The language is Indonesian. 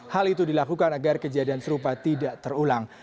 hal itu dilakukan agar kejadian serupa tidak terulang